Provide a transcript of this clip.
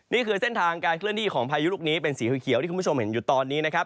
นี่คือเส้นทางการเคลื่อนที่ของพายุลูกนี้เป็นสีเขียวที่คุณผู้ชมเห็นอยู่ตอนนี้นะครับ